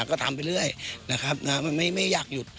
ก็ทำไปเรื่อยนะครับมันไม่อยากหยุด